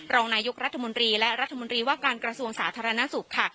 รองนายกรัฐมนตรีและรัฐมนตรีว่าการกระทรวงสาธารณสุขค่ะ